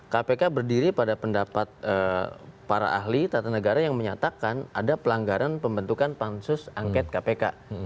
kpk berdiri pada pendapat para ahli tata negara yang menyatakan ada pelanggaran pembentukan pansus angket kpk